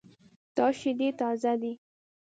دا شیدې تازه دي